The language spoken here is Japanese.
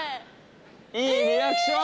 いいリアクション！